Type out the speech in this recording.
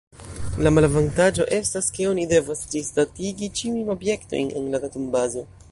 La malavantaĝo estas, ke oni devas ĝisdatigi ĉiujn objektojn en la datumbazo.